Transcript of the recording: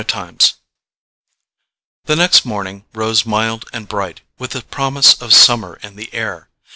Chapter 14 The next morning rose mild and bright, with a promise of summer in the air.